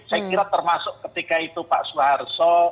saya kira termasuk ketika itu pak suharto